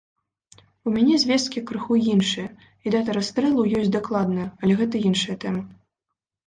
У мяне звесткі крыху іншыя, і дата расстрэлаў ёсць дакладная, але гэта іншая тэма.